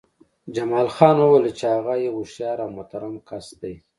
جمال خان وویل چې هغه یو هوښیار او محترم کس دی